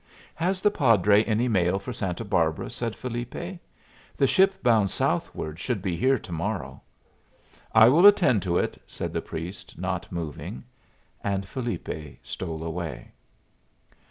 "Has the padre any mail for Santa Barbara?" said Felipe. "The ship bound southward should be here to morrow." "I will attend to it," said the priest, not moving. And Felipe stole away.